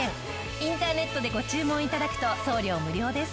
インターネットでご注文頂くと送料無料です。